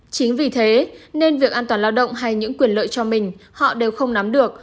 chính vì thế nên việc an toàn lao động hay những quyền lợi cho mình họ đều không nắm được